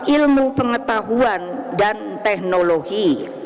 ilmu pengetahuan dan teknologi